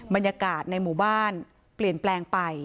บรรยากาศในหมู่บ้านเปลี่ยนแปลงไป